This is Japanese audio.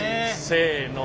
せの。